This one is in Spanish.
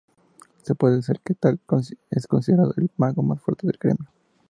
Su poder es tal que es considerado el mago más fuerte del gremio.